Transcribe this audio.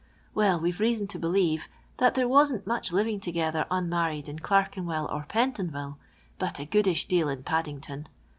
Well, we've reason to believe, that there wasn't much living together unmarried in Clerkenwell or Pentonville, but a goodish deal in Faddington.